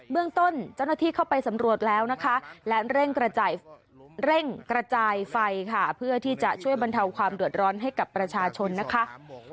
เมื่องต้นเจ้าหน้าที่เข้าไปสำรวจแล้วก็เร่งกระจายไฟนะครับเพื่อที่จะช่วยบรรเทาความโดรนให้กับประชาชนนะครับ